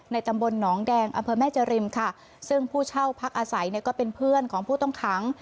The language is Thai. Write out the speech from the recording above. ตำบลหนองแดงอำเภอแม่เจริมค่ะซึ่งผู้เช่าพักอาศัยเนี่ยก็เป็นเพื่อนของผู้ต้องขัง